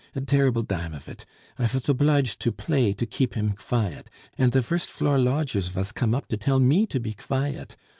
a derrible dime of it! I vas opliged to play to keep him kviet, and the virst floor lodgers vas komm up to tell me to be kviet!...